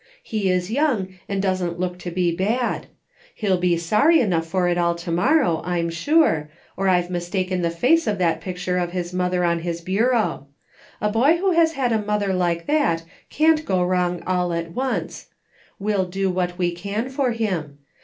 He is young and doesn't look to be bad. He'll be sorry enough for it all to morrow, I'm sure, or I've mistaken the face of that picture of his mother on his bureau. A boy who has had a mother like that can't go wrong all at once. We'll do what we can for him.